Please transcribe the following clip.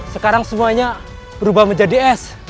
sekarang semuanya berubah menjadi es